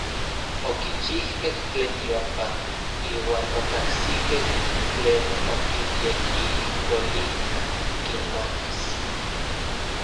Okichijkej tlen yompa, iuan okajsikej tlen okinyekijtolijka kinmakas.